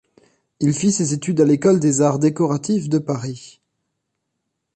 Il fit ses études à l'École des arts décoratifs de Paris.